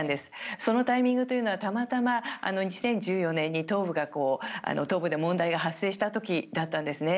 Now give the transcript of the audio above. そのタイミングというのはたまたま２０１４年に東部で問題が発生した時だったんですね。